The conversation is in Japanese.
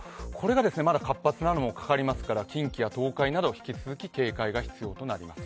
まだ活発なのもかかりますから近畿や東海など引き続き警戒が必要となります。